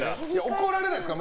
怒られないですか？